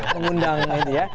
mengundang itu ya